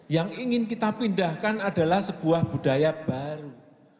yang ingin kita pindahkan adalah sebuah budaya baru